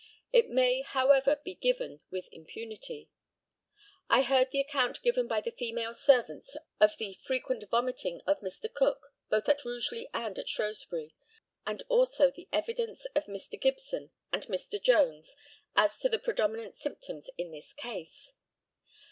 It may, however, be given with impunity. I heard the account given by the female servants of the frequent vomiting of Mr. Cook, both at Rugeley and at Shrewsbury, and also the evidence of Mr. Gibson and Mr. Jones as to the predominant symptoms in his case.